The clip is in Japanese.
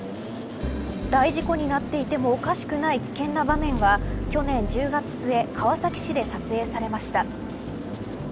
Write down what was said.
大事故になっていてもおかしくない危険な場面は去年１０月末川崎市で撮影されました。